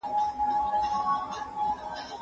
ډیپلوماټان ولي د وګړو شخصي حریم ساتي؟